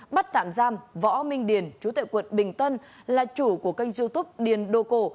bắt tạm giam võ minh điền chú tệ quận bình tân là chủ của kênh youtube điền đô cổ